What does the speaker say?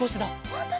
ほんとだ。